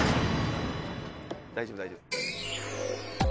大丈夫大丈夫。